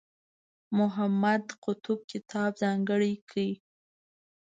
محمد قطب کتاب ځانګړی کړی.